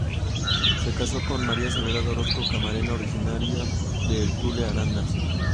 Se casó con Maria Soledad Orozco Camarena, originaria de "El Tule", Arandas.